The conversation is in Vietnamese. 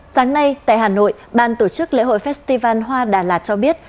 sáng nay tại hà nội ban tổ chức lễ hội festival hoa đà lạt cho biết